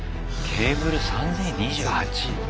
ケーブル３０２８。